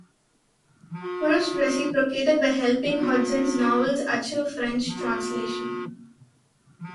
Proust reciprocated by helping Hudson's novels achieve French translation.